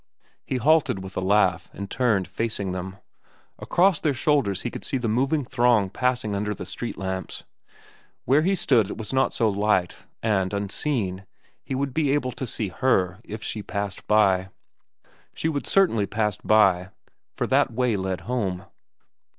He halted with a laugh, and turned, facing them. Across their shoulders he could see the moving throng passing under the street lamps. Where he stood it was not so light, and, unseen, he would be able to see Her as she passed by. She would certainly pass by, for that way led home.